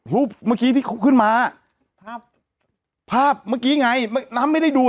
เมื่อกี้ที่เขาขึ้นมาภาพภาพเมื่อกี้ไงน้ำไม่ได้ดูอ่ะ